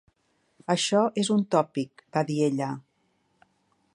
"Això és un tòpic", va dir ella.